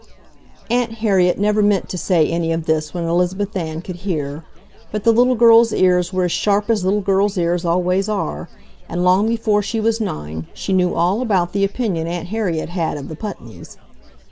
Aunt Harriet never meant to say any of this when Elizabeth Ann could hear, but the little girl's ears were as sharp as little girls' ears always are, and long before she was nine she knew all about the opinion Aunt Harriet had of the Putneys.